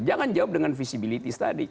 jangan jawab dengan visibility study